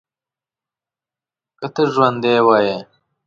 که ته ژوندی وای.